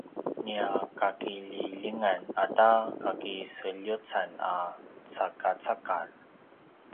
nia kakililjingan ata kakiseljecan a “cakacakar”